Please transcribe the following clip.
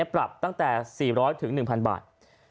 ปรับตั้งแต่๔๐๐๑๐๐บาท